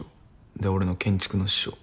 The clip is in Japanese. で俺の建築の師匠。